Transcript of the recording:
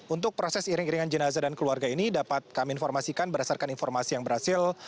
untuk proses iring iringan jenazah dan keluarga ini dapat kami informasikan berdasarkan informasi yang berhasil